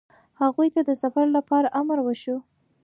هغوی ته د سفر لپاره امر وشو.